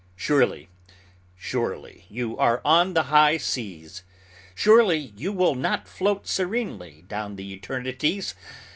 Surely, surely, you are on the high seas. Surely, you will not float serenely down the eternities!